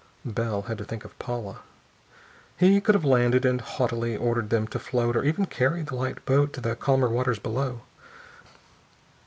Bell had to think of Paula. He could have landed and haughtily ordered them to float or even carry the light boat to the calmer waters below.